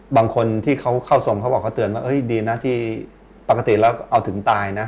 บางคนที่เขาเข้าทรงเขาบอกเขาเตือนว่าดีนะที่ปกติแล้วเอาถึงตายนะ